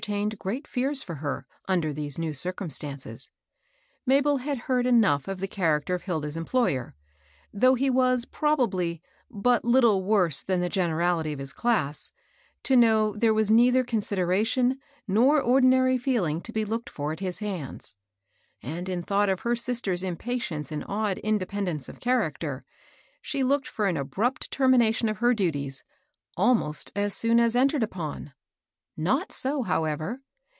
66 tained great fears for her, under these new circnm stances^ Mahel had heard enough of the charac ter of Hilda's employer, — though he was, proba bly, but little worse than the generality of his class, — to know there was neither consideration nor or dinary feeling to be looked for at his hands ; and, in thought of her sister's impatience and odd inde pendence of character, she looked for an abrupt termination of her duties, almost as soon as entered upon. Not so, however.